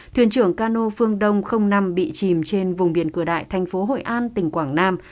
thuyền trưởng cano phương đông năm bị chìm trên vùng biển cửa đại tp hội an tỉnh quảng nam